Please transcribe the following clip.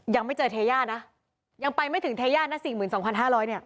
ยังไม่เจอทะยานะยังไปไม่ถึงทะยานะ๔๒๕๐๐บาท